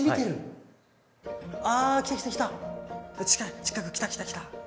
近く来た来た来た。